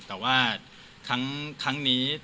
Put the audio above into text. แต่ว่าครั้งนี้